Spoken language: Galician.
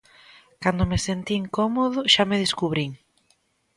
Cando me sentín cómodo xa me descubrín.